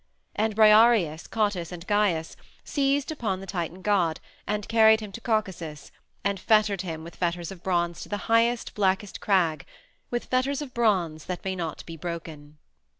And Briareus, Cottus, and Gyes seized upon the Titan god, and carried him to Caucasus, and fettered him with fetters of bronze to the highest, blackest crag with fetters of bronze that may not be broken.